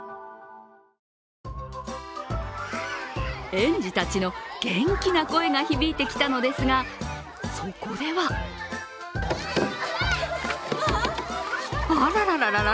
園児たちの元気な声が響いてきたのですが、そこではあららららら